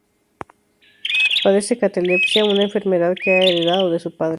Padece catalepsia, una enfermedad que ha heredado de su padre.